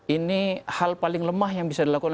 ini hal paling lemah yang bisa dilakukan